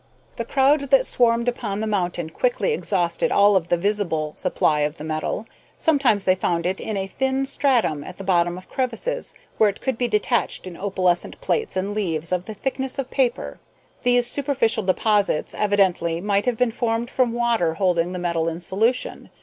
The crowd that swarmed upon the mountain quickly exhausted all of the visible supply of the metal. Sometimes they found it in a thin stratum at the bottom of crevices, where it could be detached in opalescent plates and leaves of the thickness of paper. These superficial deposits evidently might have been formed from water holding the metal in solution.